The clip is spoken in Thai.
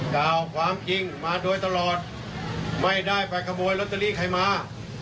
กล่าวความจริงมาโดยตลอดไม่ได้ไปขโมยลอตเตอรี่ใครมา